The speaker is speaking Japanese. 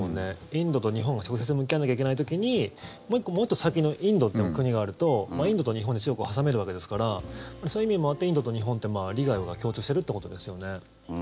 インドと日本が直接向き合わなきゃいけない時にもう１個、もっと先のインドって国があるとインドと日本で中国を挟めるわけですからそういう意味もあってインドと日本って利害は共通しているということですよね。